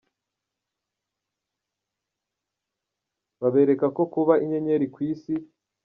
Babereka ko kuba inyenyeri ku Isi